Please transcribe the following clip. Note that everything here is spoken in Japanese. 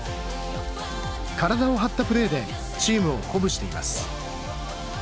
体を張ったプレーでチームを鼓舞しています